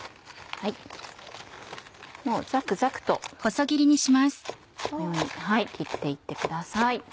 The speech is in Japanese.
ザクザクとこのように切って行ってください。